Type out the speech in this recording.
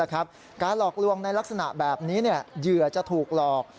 การหลอกลวงในลักษณะแบบนี้เหยื่อจะถูกหลอก